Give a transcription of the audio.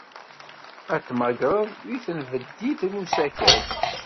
Ad t-mmagreɣ deg tenbeddit n usakal.